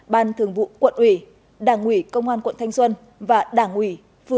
ban thường vụ quận ủy đảng ủy công an quận thanh xuân và đảng ủy phường